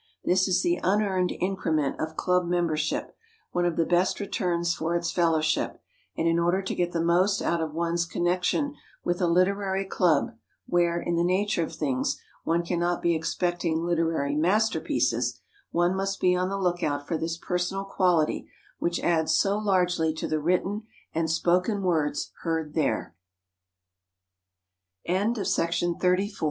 This is the "unearned increment" of club membership, one of the best returns for its fellowship; and, in order to get the most out of one's connection with a literary club where, in the nature of things, one can not be expecting literary masterpieces, one must be on the lookout for this personal quality which adds so largely to the